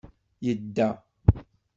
Yedda.